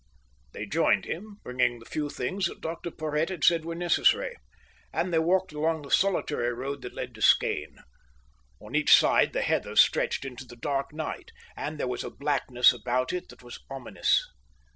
They joined him, bringing the few things that Dr Porhoët had said were necessary, and they walked along the solitary road that led to Skene. On each side the heather stretched into the dark night, and there was a blackness about it that was ominous.